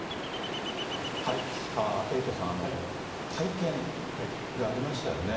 エイトさん、会見がありましたよね。